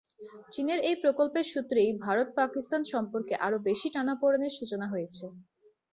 চীনের এই প্রকল্পের সূত্রেই ভারত পাকিস্তান সম্পর্কে আরও বেশি টানাপোড়েনের সূচনা হয়েছে।